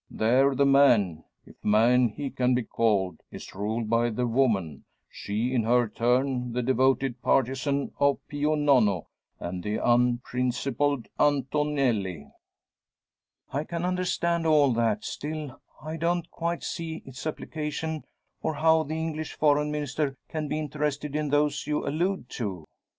There the man if man he can be called is ruled by the woman; she in her turn the devoted partisan of Pio Nono and the unprincipled Antonelli." "I can understand all that; still I don't quite see its application, or how the English Foreign Minister can be interested in those you allude to?"